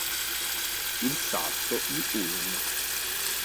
Il sarto di Ulm